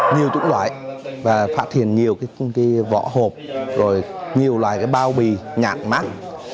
nhiều chủng loại và phát hiện nhiều vỏ hộp nhiều loài bao bì nhãn mắc